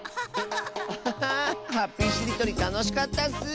ハッピーしりとりたのしかったッス！